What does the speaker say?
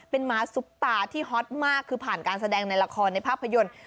เป็นม้าซุปตาที่ฮอตมากคือผ่านการแสดงในละครในภาพยนตร์